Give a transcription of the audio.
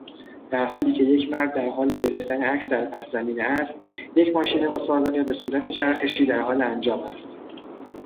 در حالی که یک مرد در حال گرفتن عکس در پس زمینه است، یک ماشین مسابقه به صورت چرخشی در حال انجام است.